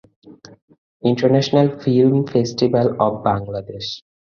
International film festival of Bangladesh.